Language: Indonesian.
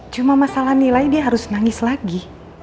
cuma masalah nilai dia harus nangis lagi